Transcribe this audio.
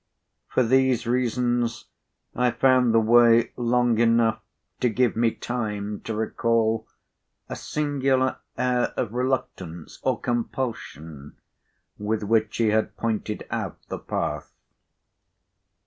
For these reasons, I found the way long enough to give me time to recall p. 91a singular air of reluctance or compulsion with which he had pointed out the path.